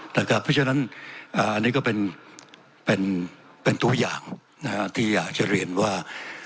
เพราะฉะนั้นอันนี้ก็เป็นตัวอย่างที่อยากจะเรียนว่า